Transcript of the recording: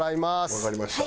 わかりました。